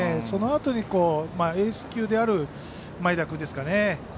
そのあとにエース級である前田君ですかね。